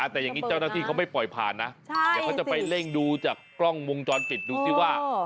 แต่อย่างนี้เจ้าหน้าที่เขาไม่ปล่อยผ่านนะเดี๋ยวเขาจะไปเร่งดูจากกล้องวงจรปิดดูซิว่า